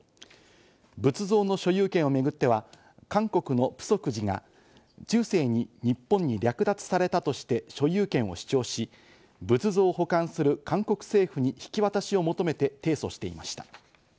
仏像の所有権を巡っては、韓国のプソク寺が中世に日本に略奪されたとして、所有権を主張し、仏像を保管する韓国政府に引き渡しを求めて、提訴していました。